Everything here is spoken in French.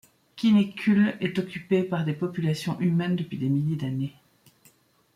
Kinnekulle est occupée par des populations humaines depuis des milliers d'années.